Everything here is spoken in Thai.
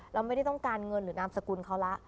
เราไม่ได้ต้องการเงินหรือนามสกุลเขาละ